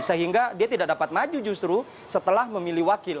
sehingga dia tidak dapat maju justru setelah memilih wakil